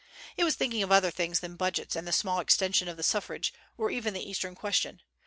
It was thinking of other things than budgets and the small extension of the suffrage, or even of the Eastern question.